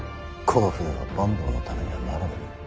この船は坂東のためにはならぬ。